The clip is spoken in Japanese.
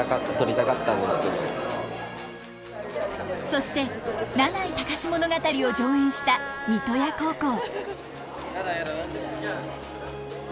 そして「永井隆物語」を上演した三刀屋高校。